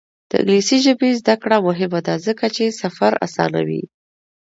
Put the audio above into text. د انګلیسي ژبې زده کړه مهمه ده ځکه چې سفر اسانوي.